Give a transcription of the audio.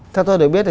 theo tôi được biết